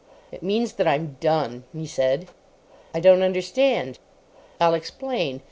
"It means that I'm done," he said. "I don't understand." "I'll explain.